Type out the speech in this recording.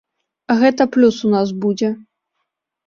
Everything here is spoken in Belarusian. Гэта плюс у нас будзе.